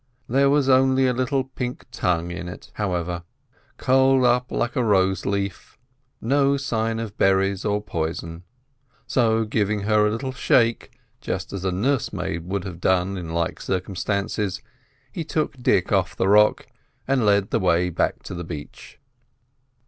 There was only a little pink tongue in it, however, curled up like a rose leaf; no sign of berries or poison. So, giving her a little shake, just as a nursemaid would have done in like circumstances, he took Dick off the rock, and led the way back to the beach.